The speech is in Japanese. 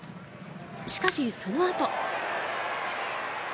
しかし、そのあと。